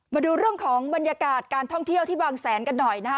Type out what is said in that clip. มาดูเรื่องของบรรยากาศการท่องเที่ยวที่บางแสนกันหน่อยนะฮะ